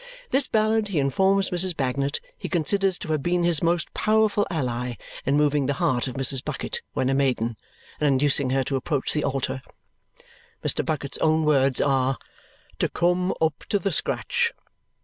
This ballad, he informs Mrs. Bagnet, he considers to have been his most powerful ally in moving the heart of Mrs. Bucket when a maiden, and inducing her to approach the altar Mr. Bucket's own words are "to come up to the scratch."